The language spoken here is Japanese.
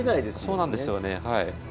そうなんですよね。